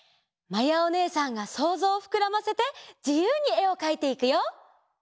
まやおねえさんがそうぞうをふくらませてじゆうにえをかいていくよ。